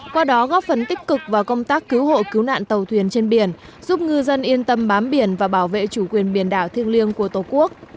qua đó góp phần tích cực vào công tác cứu hộ cứu nạn tàu thuyền trên biển giúp ngư dân yên tâm bám biển và bảo vệ chủ quyền biển đảo thiêng liêng của tổ quốc